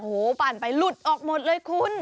โอ้โหปั่นไปหลุดออกหมดเลยคุณ